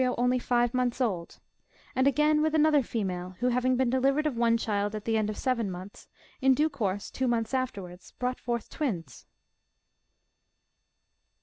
145 brj o only five months old : and again, with another female, who, having been delivered of one child at the end of seven months, in due course, two months afterwards, brought forth twins.